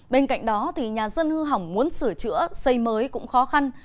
bên cạnh đó nhà dân hư hỏng muốn sửa chữa xây mới cũng khó khăn